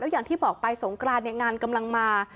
แล้วอย่างที่บอกไปสงครานเนี่ยงานกำลังมา